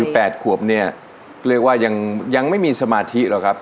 แปดขวบเนี่ยเรียกว่ายังยังไม่มีสมาธิหรอกครับ